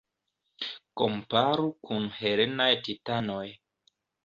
Komparu kun helenaj titanoj.